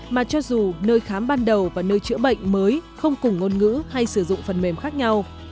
mà cho dù nơi khám ban đầu và nơi chữa bệnh mới không cùng ngôn ngữ hay sử dụng phần mềm khác nhau